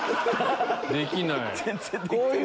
できない。